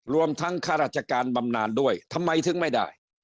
รวมทั้งข้าราชการบำนานด้วยทำไมถึงไม่ได้